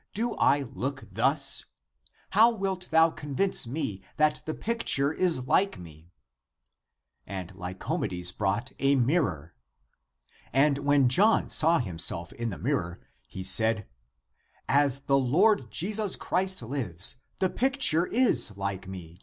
Do I look thus ...? How wilt thou convince me that the picture is like me ?" And Lycomedes brought a mirror. And when he (John) saw him self in the mirror, he said, " As the Lord Jesus Christ lives, the picture is like me.